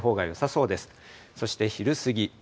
そして昼過ぎ。